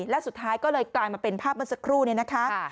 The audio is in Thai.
และสุดท้ายก็เลยกลายมาเป็นภาพเมื่อสักครู่เนี่ยนะคะ